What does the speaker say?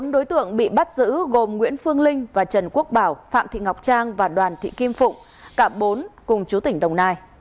bốn đối tượng bị bắt giữ gồm nguyễn phương linh và trần quốc bảo phạm thị ngọc trang và đoàn thị kim phụng cả bốn cùng chú tỉnh đồng nai